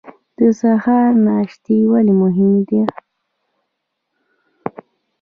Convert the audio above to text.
د سهار ناشته ولې مهمه ده؟